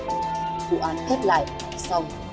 vụ án kết lại xong đã để lại nhiều bài học toàn giác cho người dân